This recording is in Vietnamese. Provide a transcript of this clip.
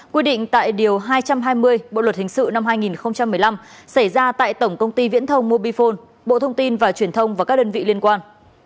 quy định tại điều hai trăm hai mươi bộ luật hình sự năm hai nghìn một mươi năm xảy ra tại tổng công ty viễn thông mobifone bộ thông tin và truyền thông và các đơn vị liên quan